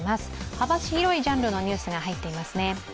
幅広いジャンルのニュースが入っていますね。